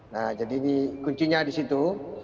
nah jadi ini kuncinya di situ